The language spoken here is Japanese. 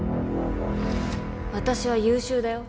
私は優秀だよ。